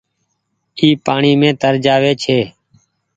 اي پآڻيٚ مين تر جآوي ڇي۔